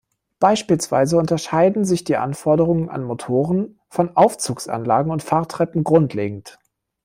Beispielsweise unterscheiden sich die Anforderungen an Motoren von Aufzugsanlagen und Fahrtreppen grundlegend.